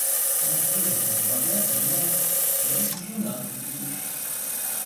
Ну, что же ты? Богат? Женат? Я уже женат, как видишь...